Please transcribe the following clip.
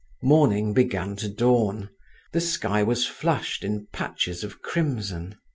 Morning began to dawn; the sky was flushed in patches of crimson.